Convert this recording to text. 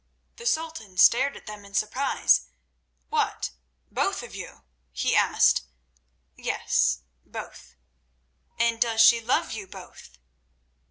The Sultan stared at them in surprise. "What! Both of you?" he asked. "Yes, both." "And does she love you both?"